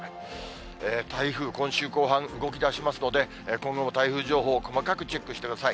台風、今週後半、動きだしますので、今後の台風情報を細かくチェックしてください。